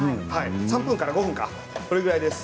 ３分から５分か、それぐらいです。